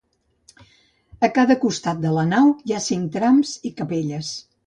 A cada costat de la nau hi ha cinc trams i capelles.